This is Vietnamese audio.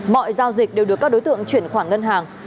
mọi giao dịch đều được các đối tượng chuyển khoản ngân hàng